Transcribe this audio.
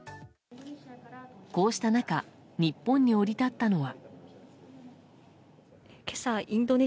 こうした中日本に降り立ったのは。